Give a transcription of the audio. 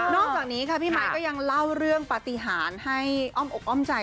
อกจากนี้ค่ะพี่ไมค์ก็ยังเล่าเรื่องปฏิหารให้อ้อมอกอ้อมใจ